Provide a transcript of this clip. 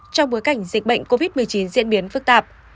trong bối cảnh dịch bệnh covid một mươi chín diễn biến phức tạp